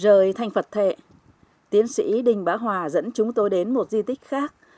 rời thành phật thệ tiến sĩ đình bá hòa dẫn chúng tôi đến một di tích khác